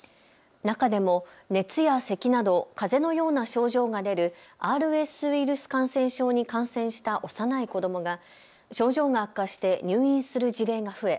中でも熱やせきなどかぜのような症状が出るＲＳウイルス感染症に感染した幼い子どもが症状が悪化して入院する事例が増え